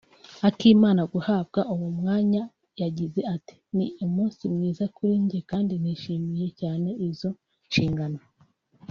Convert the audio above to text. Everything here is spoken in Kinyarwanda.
Akimara guhabwa uwo mwanya yagize ati “Ni umunsi mwiza kuri njye kandi nishimiye cyane izo nshingano